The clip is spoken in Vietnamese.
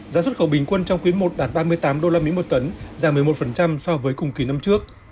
giá xuất khẩu bình quân trong quý i đạt ba mươi tám usd một tấn giảm một mươi một so với cùng kỳ năm trước